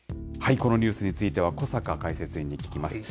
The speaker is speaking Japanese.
このニュースについては、小坂解説委員に聞きます。